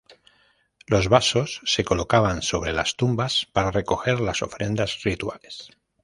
Los vasos se colocaban sobre las tumbas para recoger las ofrendas rituales.